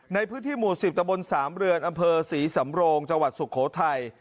ในพื้นที่หมู่๑๐ตะบนสามเรือนอำเภอศรีสำโรงจังหวัดสุโขทัย